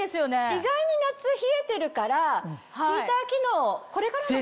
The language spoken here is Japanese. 意外に夏冷えてるからヒーター機能これからの季節。